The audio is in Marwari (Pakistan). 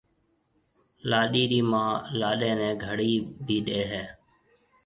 لاڏيِ رِي مان لاڏيَ نَي گھڙِي بي ڏَي هيَ۔